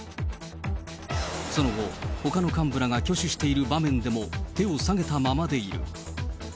その後、ほかの幹部らが挙手している場面でも手を下げたままでいる。